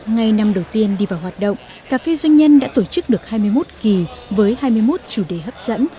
ngày năm đầu tiên đi vào hoạt động cà phê doanh nhân đã tổ chức được hai mươi một kỳ với hai mươi một chủ đề hấp dẫn